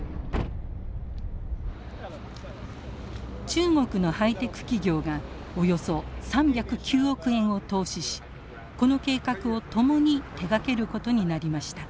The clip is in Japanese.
中国のハイテク企業がおよそ３０９億円を投資しこの計画を共に手がけることになりました。